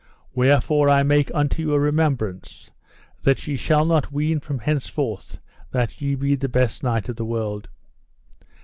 Wherefore I make unto you a remembrance, that ye shall not ween from henceforth that ye be the best knight of the world.